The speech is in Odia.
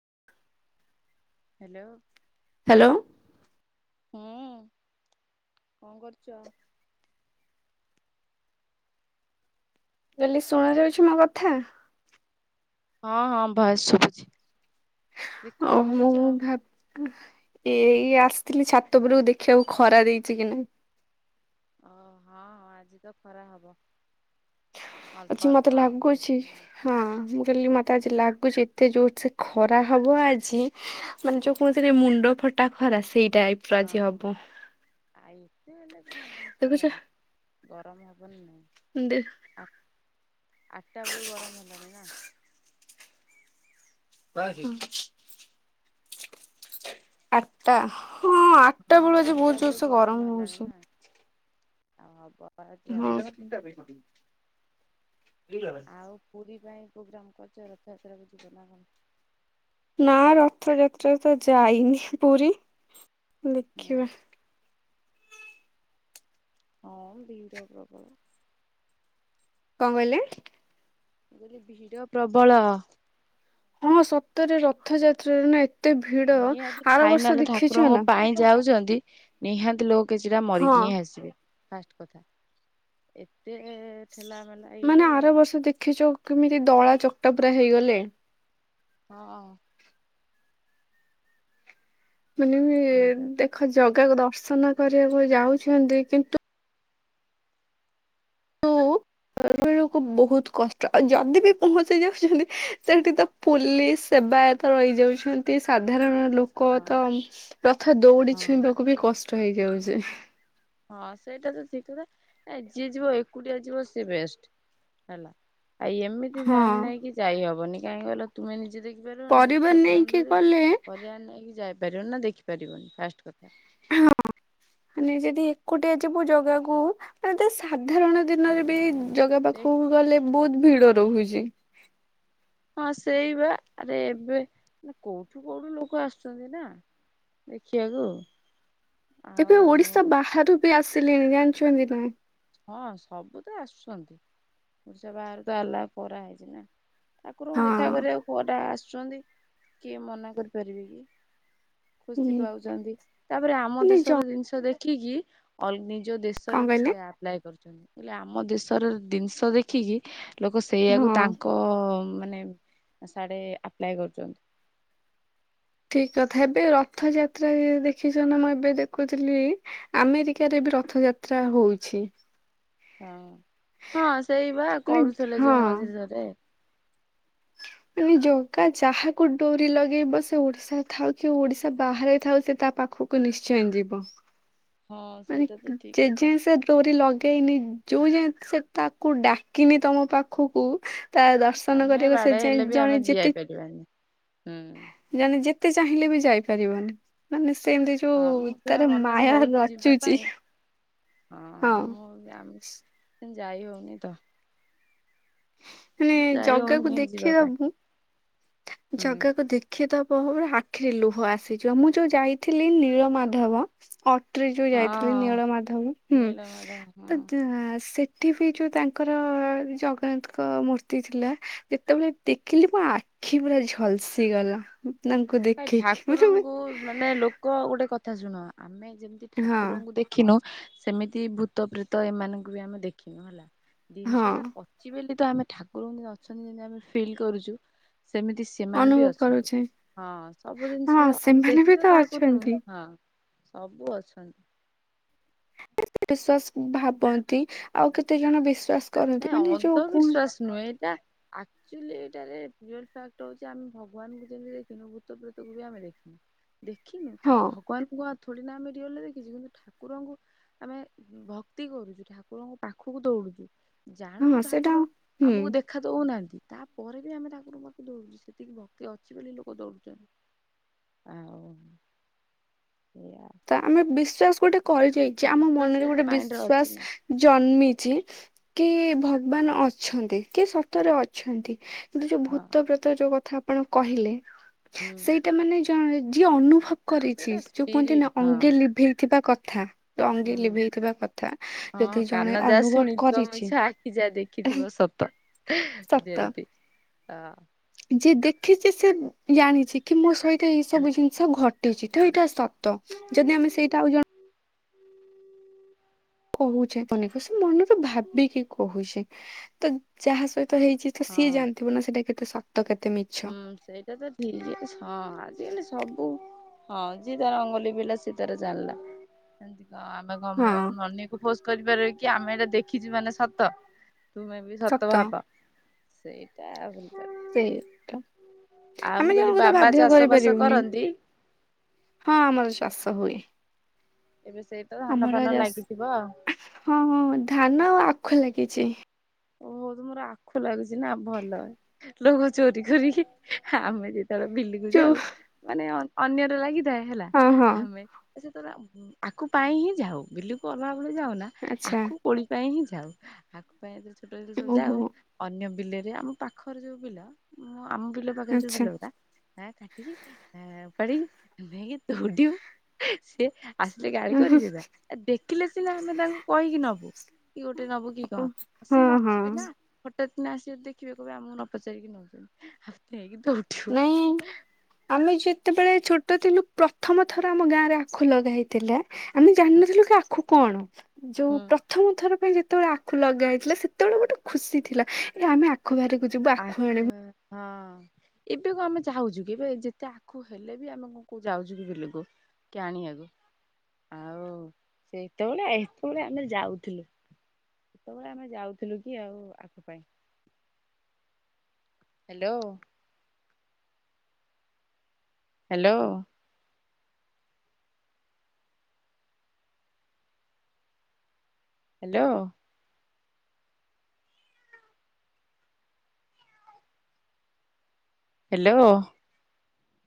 [inaudible] ହ୍ୟାଲୋ। ହ୍ୟାଲୋ। ହୁଁ, କଁ କରୁଚ? ମୁଁ କହିଲି ଶୁଣାଯାଉଛି ମୋ କଥା। ହଁ ହଁ, ଭଏସ୍ ଶୁଭୁଛି। ଯେ କଣ ମୁଁ କରୁଛ? ଭାବ୍ ଏଇ ଆସିଥିଲି ଛାତ ଉପୁରୁକୁ ଦେଖିଆକୁ ଖରା ଦେଇଚି କି ନାଇଁ। ଅ ହଁ ଆଜି ତ ଖରା ହବ। ଅଳ୍ପ ଆଜି ଅଳ୍ପ ମତେ ଆଉ ଲାଗୁଛି। ବେଶୀ ନୁହେଁ। ହଁ ମୁଁ କହିଲି, ମୋତେ ଆଜି ଲାଗୁଛି ଏତେ ଜୋରସେ ଖରା ହବ ଆଜି ମାନେ ଯୋଉ କୁହନ୍ତିନି ମୁଣ୍ଡ ଫଟା ଖରା ସେଇଟାଇପ୍ ହଁ ଆ ଏତେ ହେଲେ କଣ ମଣିଷ ଦେଖୁଛ। ଗରମ ହବ ନା ନାଇଁ। ହ [inaudible] ଆ ଆଠଟା ବେଳୁ ଗରମ ହେଲାଣି ନା। ହଁ। ଆଠଟା ହଁ, ଆଠ ହଁ ଆଠଟା ବେଳୁ ଗରମ ହେଲାଣି ନା, ଆଉ ହବ ଆଜି ଆଉ। [inaudible] ଆଉ ପୁରୀ ପାଇଁ ପ୍ରୋଗ୍ରାମ କରିଛ ରଥଯାତ୍ରାକୁ ଯିବ ନା କଣ? ନା ରଥଯାତ୍ରାରେ ତ ଯାଇନି ପୁରୀ ହଁ ଦେଖିବା। ହଁ, ଭିଡ ପ୍ରବଳ। କଣ କହିଲେ? ମୁଁ କହିଲି ଭିଡ଼ ପ୍ରବଳ। ହଁ, ସତରେ ରଥଯାତ୍ରାରେ ନା ଏତେ ଭିଡ ନିହାତି ଆର ବର୍ଷ ଫାଇନାଲ ଦେଖିଛ ଠାକୁରଙ୍କ ନା? ପାଇଁ ଯାଉଛନ୍ତି। ନିହାତି ଲୋକ କିଛିଟା ହଁ ମରିକି ହିଁ ଆସିବେ। ଫାଷ୍ଟ କଥା - ଏତେ ଠେଲା ପେଲା। ମାନେ ଆର ବର୍ଷ ଦେଖିଛୁ- କେମିତି ଦଳା ଚକଟା ପୁରା ହେଇଗଲେ। ହଁ। ମାନେ ବି ଭିଡ ଦେଖ ଜଗାକୁ ଦର୍ଶନ କରିବାକୁ ଯାଉଛନ୍ତି କିନ୍ତୁ [unintelligible] ସେ ବେଳକୁ ବୋହୁତୁ କଷ୍ଟ ଆଉ ଯଦି ବି ପହଞ୍ଚି ଯାଉଛନ୍ତି ସେଠି ତ ପୁଲିସ ସେବାୟତ ରହିଯାଉଛନ୍ତି ସାଧାରଣ ଲୋକ କ ହଁ ତ ରଥ ଦୌଡି ହଁ ଛୁଇଁବାକୁ ବି କଷ୍ଟ ହେଇଯାଉଚି। ହଁ ସେଇଟା ତ ଠିକ୍ କଥା ଆ ଯିଏ ଯିବ ଏକୁଟିଆ ଯିବ ସିଏ ବେଷ୍ଟ। ହେଲା ଆ ଏମିତି ହଁ ଫ୍ୟାମିଲୀ ନେଇକି ଯାଇହବନି କାହିଁକି କହିଲ ତୁମେ ନିଜେ ଦେଖିପାରିବନି ନିଜ ପରିବାର ଛୁଆ ପିଲାଙ୍କୁ ନେଇକି ଧରିବ ଗଲେ ପରିବାର ନେଇକି ଯାଇପାରିବନି ନା ଦେଖି ପାରିବନି ଫାଷ୍ଟ କଥା। ହଁ। ମାନେ ଯଦି ଏକୁଟିଆ ଯିବୁ ଜଗାକୁ ଯଦି ସାଧାରଣ ଦିନରେ ବି ଜଗା ପାଖକୁ ଗଲେ ବୋହୁତୁ ଭିଡ ରହୁଛି ହଁ ସେଇବା ଆରେ ଏବେ କୋଉଠୁ କୋଉଠୁ ଲୋକ ଆସୁଛନ୍ତି ନା। ଦେଖିବାକୁ। ଏବେ ଆଉ ଓଡିଶା ବାହାରୁ ବି ଆସିଲେଣି ଜାଣିଛନ୍ତି ନା। ହଁ ସବୁ ତ ଆସୁଛନ୍ତି ଓଡିଶା ବାହାରୁ ତ ଆଲାୱ କରାହେଇଛି ନା। ଠାକୁରଙ୍କୁ ଦେଖା ହଁ। କରିବାକୁ କୁଆଡେ ଆସିଛନ୍ତି କିଏ ମନା କରିପାରିବେ କି। ଖୁସି ହୁଁ ପାଉଛନ୍ତି। ତାପରେ ଆମ ମାନେ ଜ ଦେଶର ଜିନିଷ ଦେଖିକି ଅଲ୍ ନିଜ ଦେଶ କଣ ଦେଶରେ ବି କହିଲେ ସେଇଆ ଆପ୍ଲାଏ କରୁଛନ୍ତି। ମୁଁ କହିଲି ଆମ ଦେଶର ଜିନିଷ ଦେଖିକି ଲୋକ ସେଇଆକୁ ହଁ। ତାଙ୍କ ମାନେ ସାଡ଼େ ଆପ୍ଲାଏ କରୁଚନ୍ତି। ଠିକ୍ କଥା ଏବେ ରଥଯାତ୍ରାରେ ଦେଖିଛ ନା ମୁଁ ଏବେ ଦେଖୁଥିଲି ଆମେରିକାରେ ବି ରଥଯାତ୍ରା ହଉଛି। ହଁ ହଁ ସେଇବା ମାନେ କରୁଥିଲେ ଯୋଉ ହଁ। ମଝିରେ। [unintelligible] ଏ ଜଗା ଯାହାକୁ ଡୋରି ଲଗେଇବ ସେ ଓଡିଶାରେ ଥାଉ କି ଓଡିଶା ବାହାରେ ଥାଉ ସେ ତା ପାଖକୁ କୁ ନିଶ୍ଚୟ ଯିବ। ହଁ ମାନେ ସେଇଟା ତ ଠିକ୍ ଯେ କଥା। ଯାଏଁ ସେ ଡୋରି ଲଗେଇନି ଯୋଉ ଯାଏଁ ସେ ତାକୁ ଡାକିନି ତମ ପାଖକୁ ତା ଦର୍ଶନ କରିବାକୁ ସେ ଯାଏଁ ଜଣେ ଯେତେ ଯାଏନି। ହୁଁ। ଜଣେ ଯେତେ ଚାହିଁଲେ ବି ଯାଇପାରିବନି ମାନେ ସେମିତି ହଁ ଯୋଉ ମୁଁ ସେଇଆ ତାର ମନେରେ ମାୟା ହଉଚି ଯିବା ରଚୁଛି ପାଇଁ ହଁ ମୁଁ [unintelligible] ଯାଇ ହଉନି ତ ମାନେ ଯାଇ ଜଗାକୁ ହଉନି ଯିବା ପାଇଁ ଦେଖିବାକୁ ହୁଁ ଜଗାକୁ ଦେଖିଦବ ପୁରା ଆଖିରେ ଲୁହ ଆସିଯିବ। ମୁଁ ଯୋଉ ଯାଇଥିଲି ନୀଳ ମାଧବ ଅଟ୍ରି ଯୋଉ ଯାଇଥିଲି ହଁ ନୀଳ ମାଧବ। ହୁଁ ନୀଳମାଧବ ତ ହଁ। ଯା ସେ ସେଠି ବି ଯୋଉ ତାଙ୍କର ଜଗନ୍ନାଥଙ୍କ ମୂର୍ତ୍ତି ଥିଲା ଯେତେବେଳେ ଦେଖିଲି ମୋ ଆ ଆଖି ପୁରା ଝଲସି ଗଲା। ଭାଇ ଦେଖିକି ମାନେ ମୁଁ ଠାକୁରଙ୍କୁ ମାନେ ଲୋକ ଗୋଟେ କଥା ଶୁଣ ଆମେ ଯେମିତି ହଁ ଠାକୁରଙ୍କୁ ଦେ ଦେଖିନୁ ସେମିତି ଭୂତ ପ୍ରେତ ଏମାନଙ୍କୁ ବି ଆମେ ଦେଖିନୁ ହେଲା ହଁ ଜିନିଷ ଟା ଅଛି ବୋଲି ତ ଆମେ ଠାକୁରଙ୍କୁ ଅଛନ୍ତି ଯେମିତି ଆମେ ଫିଲ୍ କରୁଚୁ ସେମିତି ସି ଅନୁଭବ କରୁଛେ। ହଁ ସବୁ ଜିନିଷ ଆମେ ଦେଖି ତ କାହାକୁ ଅଛନ୍ତି। ନୁହେଁ ହଁ ସବୁ ଅଛ ବିଶ୍ଵାସ ଭାବନ୍ତି ଆଉ କେତେ ଜଣ ବିଶ୍ଵାସ କରନ୍ତି ନାଇଁ ମାନେ ଯୋଉ ଅନ୍ଧ କୁହ ବିିଶ୍ୱାସ ନୁହେଁ ଏଇଟା ଆକ୍ଚୁଆଲି ଏଇଟାରେ ରିଅଲ୍ ଫ୍ୟାକ୍ଟ ହଉଚି ଆମେ ଭଗବାନଙ୍କୁ ଯେମିତି ଦେଖିନୁ ଭୂତ ପ୍ରେତ କୁ ବି ଆମେ ଦେଖି ଦେଖିନୁ ହଁ ଭଗବାନଙ୍କୁ କ ଥୋଡ଼ିନା ଆମେ ରିୟଲରେ ଦେଖିଚୁ କିନ୍ତୁ ଠାକୁରଙ୍କୁ ଆମେ ଭକ୍ତି କରୁଚୁ ଠାକୁରଙ୍କ ପାଖକୁ ଦୌଡୁଚୁ ଜାଣୁଚୁ ହଁ ସେଇଟା ଠାକୁର ହୁଁ ଆମକୁ ଦେଖ ଦେଖା ଦୋଉନାହାନ୍ତି ତାପରେ ବି ଆମେ ଠାରଙ୍କକୁ ଦୌଡୁଚୁ ସେତିକି ଭକ୍ତି ଅଛି ବୋଲି ଲୋକ ଦୌଡୁଚନ୍ତି। ଆଉ ସେୟା। ଆମେ ବିଶ୍ଵାସ ଗୋଟେ କରି ଯାଇଚେ ଆମ ବିଶ୍ଵାସ ମନରେ ଗୋଟେ ମାଇଣ୍ଡରେ ଅଛି ନା ବିଶ୍ଵାସ ଜନ୍ମିଚି କି ଭଗବାନ ଅଛନ୍ତି କି ସତରେ ଅଛନ୍ତି? କିନ୍ତୁ ଯୋଉ ହଁ ଭୂତ ପ୍ରେତ ଯୋଉ କଥା ଆପଣ କହିଲେ ହୁଁ। ସେଇଟା ମାନେ ଯା ଯିଏ ଅନୁଭବ କରିଚି ସେଟା ଯୋଉ କୁହନ୍ତି ସ୍ପିରିଟ ନା ହଁ ଅଙ୍ଗେ ଲିଭେଇଥିବା କଥା ଅଙ୍ଗେ ହୁଁ। ଲିଭେଇଥିବା କଥା ହଁ ଯଦି ଜଣେ କାନ ଯାହା ଅନୁଭବ ଶୁଣିଥିବ ମିଛ କରିଚି ଆଖି ଯାହା ଦେଖିଥିବ ସତ ସତ। ଅ। ଯିଏ ଦେଖିଚି ସେ ଜାଣିଚି। କି ମୋ ସହିତ ଏଇ ସବୁ ଜିନିଷ ଘଟିଚି ତ ଏଇଟା ସତ ଯଦି ଆମେ ସେଇଟା ଆଉ ଜଣ କୋହୁଚେ ଅନେକ ସେ ମନରୁ ଭାବିକି କୋହୁ ଚି ତ ଯାହା ସହି ତ ହେଇଚି ତ ସିଏ ହଁ ଜାଣିଥିବ ନା ସେଟା କେତେ ସତ କେତେ ମି ହୁଁ ସେଇଟା ତ ଠିକ୍ ହଁ ଆଜିକାଲି ସବୁ ହ ଯିଏ ତାର ଅଙ୍ଗଲି ଭେଇଲା ସିଏ ତାର ଜାଣିଲା ହଁ ଆମେ କ ହଁ। ଅନେଇକି ବସ କରିପାରିବା କି ଆମେ ଏଇଟା ଦେଖିଚୁ ମାନେ ସତ ତୁମେ ବି ସତ ଭାବ। ସେଇଟା ଭୁଲ୍ କ ସେଇ ଟା ଆମେ ଦି କହିଲି ଜଣଙ୍କୁ ତ ବାବା ବାଧ୍ୟ ଚାଷ ବାସ କରିପାରିବୁନି। କରନ୍ତି ହଁ ଆମର ଚାଷ ହୁଏ। ଏବେ ସେଇ ତ ଧାନ ଆମର ଫାନ ଚାଷ ଲାଗିଥିବ ଆଉ। ହଁ ହଁ ଧାନ ଆଖୁ ଲାଗିଚି। ଓ ହୋ ତୁମର ଆଖୁ ଲାଗୁଚି ନା ଭଲ। ଲୋକ ଚୋରି କରିକି ଆମେ ଯେତେବେଳେ ବିଲ କୁ ଯୋଉ ଯାଉ ମାନେ ଅ ଅନ୍ୟର ଲାଗିଥାଏ ହେଲା ହଁ ହଁ ଆମେ ସେତଳେ ଆଖୁ ପାଇଁ ହିଁ ଯାଉ ବିଲକୁ ଅଲଗା ବେଳେ ଯାଉନା ଆଚ୍ଛା ଆଖୁ ପୋଳି ପାଇଁ ହିଁ ଯାଉ ଆଗ ପାଇଁ ଏ ଛୋଟ ଜିନି ସବୁ ଓହୋ ଯାଉ ଅନ୍ୟ ବିଲରେ ଆମ ପାଖରେ ଯୋଉ ବିଲ ଆମ ବିଲ ପାଖରେ ଯୋଉ ଆଚ୍ଛା ବିଲ ଉରା ନା କଟିକି ନା ଉପାରିକି ନେହିଁକି ଧୋଉଡିମୁ ସିଏ ଆସିଲେ ଗାଳି କରି ବେନା ଦେଖିଲେ ସିନା ଆମେ ତାଙ୍କୁ କହିକି ନବୁ କି ଗୋଟେ ନବୁ କି ଓହୋ। କଣ? ହଁ ସେ ହଁ ନଥିବେ ନା ହଟ୍ଟାତ୍ କିନା ଆସିବେ ଦେଖିବେ କହିବେ ଆମକୁ ନ ପଚାରିକି ନୋଉଚନ୍ତି ଆ ନେଇକି ଧୋଉ ନାଇଁ ଆମେ ଯେତେବେଳେ ଛୋଟ ଥିଲୁ ପ୍ରଥମ ଥର ଆମ ଗାଁ ରେ ଆଖୁ ଲଗା ହେଇଥିଲା। ଆମେ ଜାଣିନଥିଲୁ କି ଆଖୁ କଣ ଯୋଉ ହୁଁ। ପ୍ର ପ୍ରଥମଥର ପାଇଁ ଯେତେବେଳେ ଆଖୁ ଲଗା ହେଇଥିଲା ସେତେବେଳେ ଗୋଟେ ଖୁସି ଥିଲା ଏ ଆମେ ଆ ଖୁ ବାରିକୁ ଯିବା। ଆ କ୍ ବର ହଁ। ଏବେ କଁ ଆମେ ଯାହାଚୁ କି ଏବେ ଯେତେ ଆଖୁ ହେଲେ ବି ଆମେ କଣ କ ଯାଉଛୁ କି ବିଲକୁ। କି ଆଣି ଆଗୁ। ଆଉ ସେଇତେବେଳେ ଏତେବେଳେ ଆମେ ଯାଉଥିଲୁ। ସେତେବେଳେ ଆମେ ଯାଉଥିଲୁ କି ଆଉ ଆଖୁ ପାଇଁ। Hello. Hello. Hello. Hello.